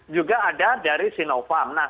juga ada dari sinovac